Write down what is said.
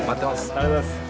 ありがとうございます。